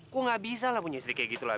kok gak bisa lah punya istri kayak gitu lah